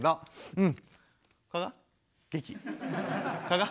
うん。